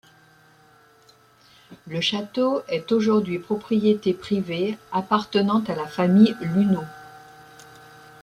Le château est aujourd'hui propriété privée appartenant à la famille Luneau.